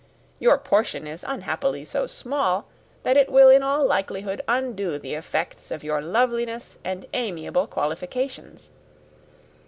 Your portion is unhappily so small, that it will in all likelihood undo the effects of your loveliness and amiable qualifications.